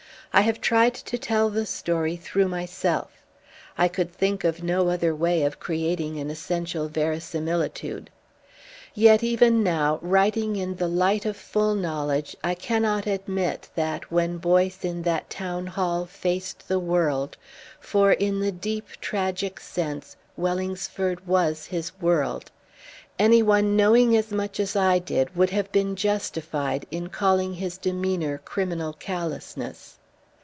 I have tried to tell the story through myself. I could think of no other way of creating an essential verisimilitude. Yet, even now, writing in the light of full knowledge, I cannot admit that, when Boyce in that Town Hall faced the world for, in the deep tragic sense Wellingsford was his world anyone knowing as much as I did would have been justified in calling his demeanour criminal callousness.